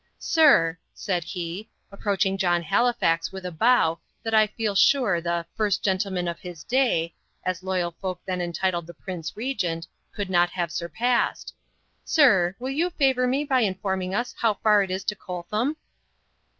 "Sir," said he, approaching John Halifax with a bow that I feel sure the "first gentleman of his day," as loyal folk then entitled the Prince Regent, could not have surpassed "Sir, will you favour me by informing us how far it is to Coltham?"